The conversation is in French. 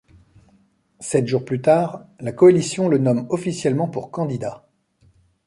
Sept jours plus tard, la coalition le nomme officiellement pour candidat.